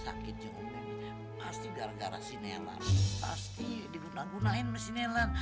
sakit juga ummi pasti gara gara sinelan pasti digunakan sinelan